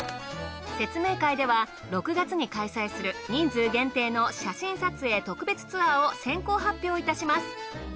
説明会では６月に開催する人数限定の写真撮影特別ツアーを先行発表いたします。